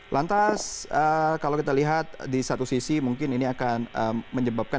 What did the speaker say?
lantas kalau kita lihat di satu sisi mungkin ini akan menyebabkan